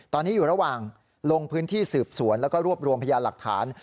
ตอนนี้อยู่ระหว่างลงพื้นที่สืบสวนแล้วก็รวบรวมพยานหลักฐาน